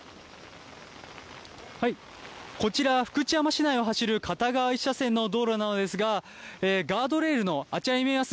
こちら、福知山市内を走る片側１車線の道路なのですが、ガードレールの、あちらに見えます